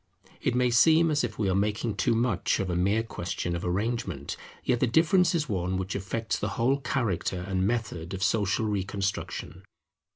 It may seem as if we are making too much of a mere question of arrangement; yet the difference is one which affects the whole character and method of social reconstruction.